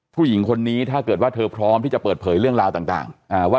ผู้หญิงคนนี้ถ้าเกิดว่าเธอพร้อมที่จะเปิดเผยเรื่องราวต่างว่า